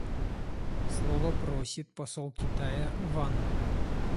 Слова просит посол Китая Ван.